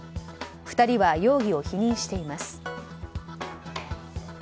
２人は容疑を否認しています。